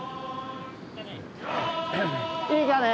いいかね？